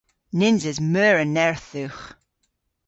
Nyns eus meur a nerth dhywgh.